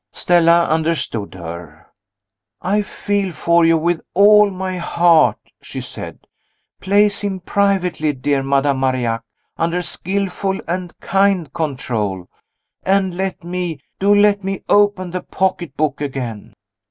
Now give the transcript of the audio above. Stella understood her. "I feel for you with all my heart," she said. "Place him privately, dear Madame Marillac, under skillful and kind control and let me, do let me, open the pocketbook again."